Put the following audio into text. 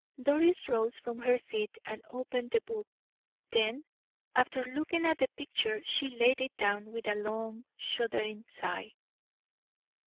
Doris rose from her seat and opened the book; then, after looking at the picture, she laid it down with a long, shuddering sigh.